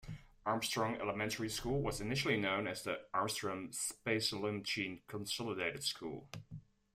Armstrong Elementary School was initially known as the "Armstrong Spallumcheen Consolidated School".